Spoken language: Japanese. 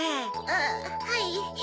あっはい。